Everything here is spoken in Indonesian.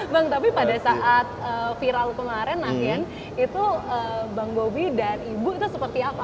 bang tapi pada saat viral kemarin nah yan itu bang bobi dan ibu itu seperti apa